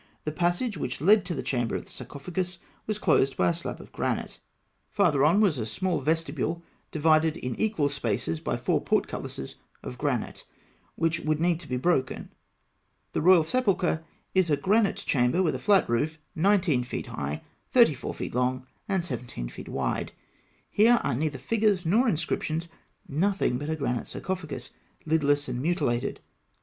The passage which led to the chamber of the sarcophagus was closed by a slab of granite (Note 26); farther on was a small vestibule divided in equal spaces by four portcullises of granite (Note 27), which would need to be broken. The royal sepulchre is a granite chamber with a flat roof, nineteen feet high, thirty four feet long, and seventeen feet wide. Here are neither figures nor inscriptions; nothing but a granite sarcophagus, lidless and mutilated.